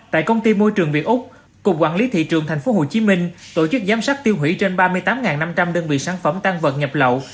tại công ty môi trường việt úc cục quản lý thị trường tp hcm tổ chức giám sát tiêu hủy trên ba mươi tám năm trăm linh đơn vị sản phẩm tan vật nhập lậu